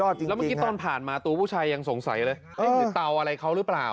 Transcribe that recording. เห็นหรือเตาอะไรเขาหรือเปล่า